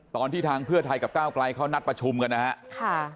ตอนที่ทางเพื่อไทยกับก้าวไกลเขานัดประชุมกันนะครับ